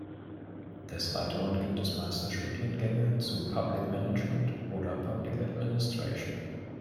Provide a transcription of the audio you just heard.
Des Weiteren gibt es Masterstudiengänge zu Public Management oder Public Administration.